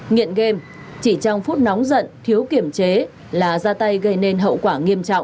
nghiện game chỉ trong phút nóng giận thiếu kiểm chế là ra tay gây nên hậu quả nghiêm trọng